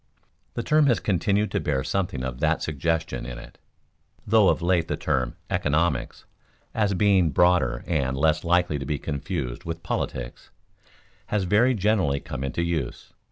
The term has continued to bear something of that suggestion in it, though of late the term "economics," as being broader and less likely to be confused with politics, has very generally come into use.